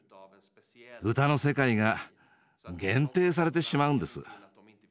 歌の世界が限定されてしまうんです。